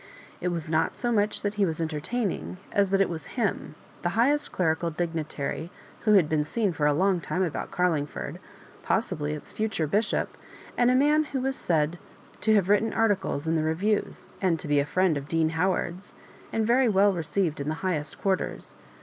It was not so much that he was entertaining, as that it was Aim, the highest derical dignitary who had been seen for a long time about Oarlingford, possibly its future bishop, and a man who was said to have written articles in the Beviews, and to be a friend of Dean Howard's, and very well received in the bluest quarters.